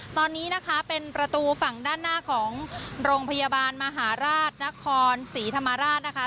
ตอนนี้นะคะเป็นประตูฝั่งด้านหน้าของโรงพยาบาลมหาราชนครศรีธรรมราชนะคะ